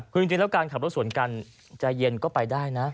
คือจริงแล้วการขับรถสวนกันใจเย็นก็ไปได้นะ